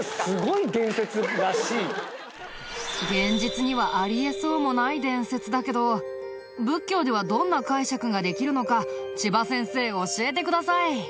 現実にはあり得そうもない伝説だけど仏教ではどんな解釈ができるのか千葉先生教えてください。